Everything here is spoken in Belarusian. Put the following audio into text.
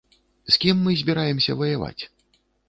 З кім мы збіраемся ваяваць?